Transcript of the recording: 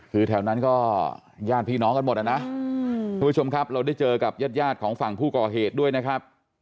คือแถวนั้นก็ญาติพี่น้องกันหมดนะทุกผู้ชมครับเราได้เจอกับญาติยาดของฝั่งผู้ก่อเหตุด้วยนะครับ